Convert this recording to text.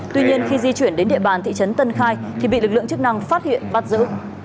tuy nhiên khi di chuyển đến địa bàn thị trấn tân khai thì bị lực lượng chức năng phát hiện bắt giữ